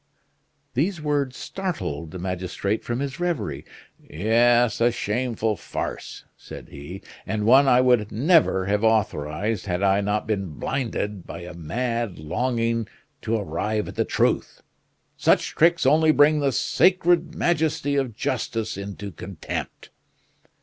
These words startled the magistrate from his reverie. "Yes, a shameful farce," said he, "and one I would never have authorized, had I not been blinded by a mad longing to arrive at the truth. Such tricks only bring the sacred majesty of justice into contempt!"